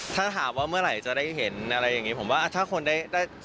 ถ้าหาว่าเมื่อไหร่จะได้เห็นอะไรอย่างนี้